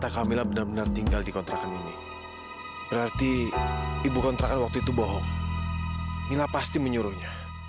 sampai jumpa di video selanjutnya